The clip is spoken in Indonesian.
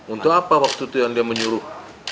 untuk apa waktu itu yang dia menyuruh